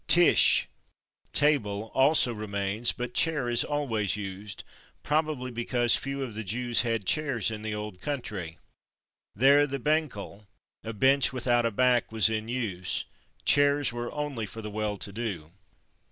/Tisch/ (=/table/) also remains, but /chair/ is always used, probably because few of the Jews had chairs in the old country. There the /beinkel/, a bench without a back, was in use; chairs were only for the well to do.